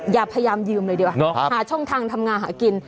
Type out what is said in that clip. อย่าพยายามยืมเลยดีกว่าหาช่องทางทำงานหากิน